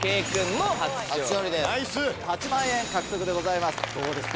８万円獲得でございますどうですか？